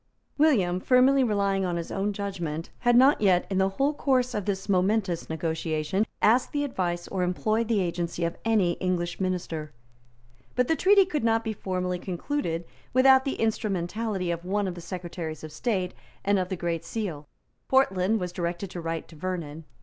William, firmly relying on his own judgment, had not yet, in the whole course of this momentous negotiation, asked the advice or employed the agency of any English minister. But the treaty could not be formally concluded without the instrumentality of one of the Secretaries of State and of the Great Seal. Portland was directed to write to Vernon.